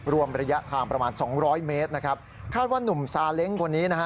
รวมระยะทางประมาณสองร้อยเมตรนะครับคาดว่านุ่มซาเล้งคนนี้นะฮะ